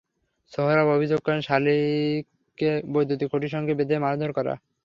সোহরাব অভিযোগ করেন, শাকিলকে বৈদ্যুতিক খুঁটির সঙ্গে বেঁধে মারধর করা হয়।